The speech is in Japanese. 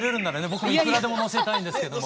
僕もいくらでものせたいんですけども。